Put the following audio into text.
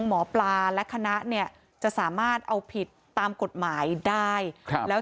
หมอปลาและคณะเนี่ยจะสามารถเอาผิดตามกฎหมายได้ครับแล้ว